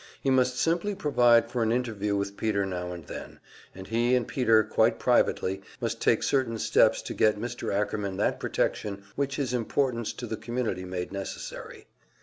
He must simply provide for an interview with Peter now and then, and he and Peter, quite privately, must take certain steps to get Mr. Ackerman that protection which his importance to the community made necessary.